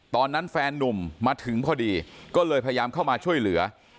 แฟนนุ่มมาถึงพอดีก็เลยพยายามเข้ามาช่วยเหลือ